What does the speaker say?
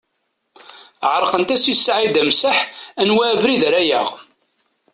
Ɛerqent-as i Saɛid Amsaḥ anwa abrid ara yaɣ.